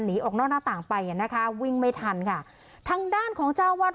หนีออกนอกหน้าต่างไปอ่ะนะคะวิ่งไม่ทันค่ะทางด้านของเจ้าวาด